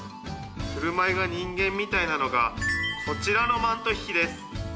振る舞いが人間みたいなのがこちらのマントヒヒです